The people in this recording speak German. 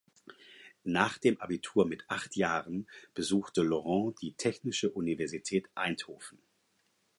Nach dem Abitur mit acht Jahren besuchte Laurent die Technische Universität Eindhoven.